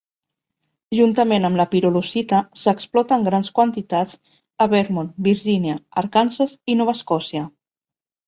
Juntament amb la pirolusita, s'explota en grans quantitats a Vermont, Virginia, Arkansas i Nova Escòcia.